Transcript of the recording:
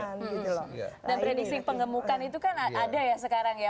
dan prediksi pengemukan itu kan ada ya sekarang ya